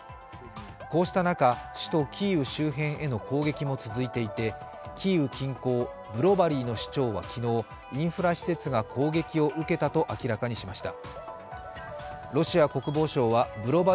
こうした中、首都キーウ周辺への攻撃も続いていてキーウ近郊ブロバリーの市長は昨日、インフラ施設が攻撃を受けたと明らかにしました。